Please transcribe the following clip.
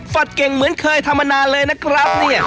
ฟัดเก่งเหมือนเคยธรรมดาเลยนะครับเนี้ย